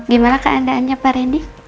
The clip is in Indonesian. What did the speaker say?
gimana keadaannya pak rendy